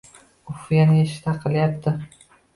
Uf yana eshik taqillayapti